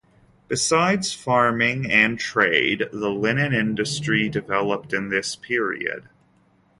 Besides farming and trade, the linen industry developed in this period.